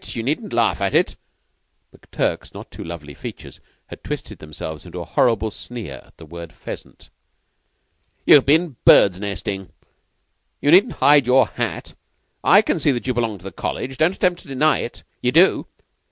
Ye needn't laugh at it." (McTurk's not too lovely features had twisted themselves into a horrible sneer at the word pheasant.) "You've been birds' nesting. You needn't hide your hat. I can see that you belong to the College. Don't attempt to deny it. Ye do!